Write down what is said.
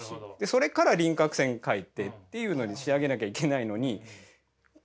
それから輪郭線描いてっていうのに仕上げなきゃいけないのに「紙描きました？」